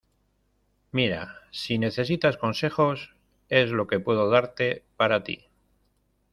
mira, si necesitas consejos , es lo que puedo darte , para ti.